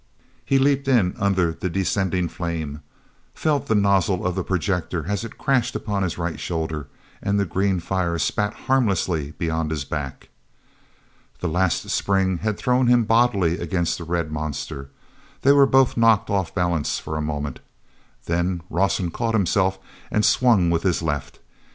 He leaped in under the descending flame, felt the nozzle of the projector as it crashed upon his right shoulder and the green fire spat harmlessly beyond his back. That last spring had thrown him bodily against the red monster. They were both knocked off balance for a moment, then Rawson caught himself and swung with his left.